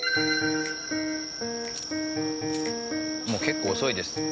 もう結構遅いです。